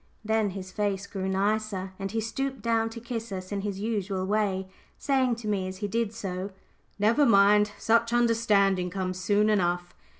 Then his face grew nicer again, and he stooped down to kiss us in his usual way, saying to me as he did so, "Never mind; such understanding comes soon enough."